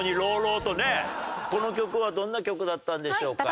この曲はどんな曲だったんでしょうか？